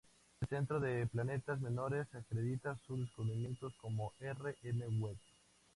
El Centro de Planetas Menores acredita sus descubrimientos como R. M. West.